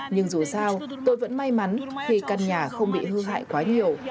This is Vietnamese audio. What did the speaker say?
nhưng dù sao tôi vẫn may mắn khi căn nhà không bị hư hại quá nhiều